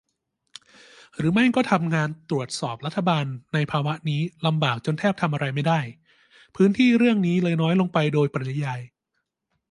หรือไม่ก็ทำงานตรวจสอบรัฐบาลในภาวะนี้ลำบากจนแทบทำอะไรไม่ได้ พื้นที่เรื่องนี้เลยน้อยลงไปโดยปริยาย ?